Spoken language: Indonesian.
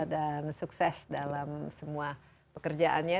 dan sukses dalam semua pekerjaannya